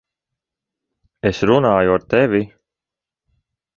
Es runāju ar tevi!